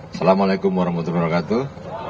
assalamu alaikum warahmatullahi wabarakatuh